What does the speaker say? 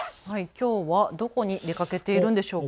きょうはどこに出かけているんでしょうか。